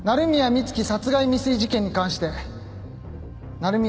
美月殺害未遂事件に関して鳴宮